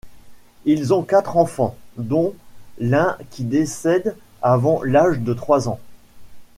Ils ont quatre enfants, dont l'un qui décède avant l'âge de trois ans.